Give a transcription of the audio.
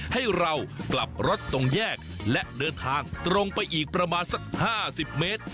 ให้เรากลับรถตรงแยกและเดินทางตรงไปอีกประมาณสัก๕๐เมตร